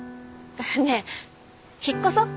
ねえ引っ越そう。